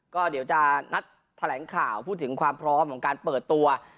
ก็เดี๋ยวจะนัดแถลงข่าวพูดถึงความพร้อมของการเปิดตัว